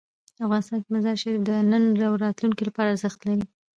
افغانستان کې مزارشریف د نن او راتلونکي لپاره ارزښت لري.